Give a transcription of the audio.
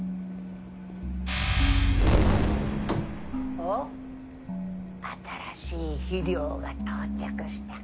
おっ新しい肥料が到着したか。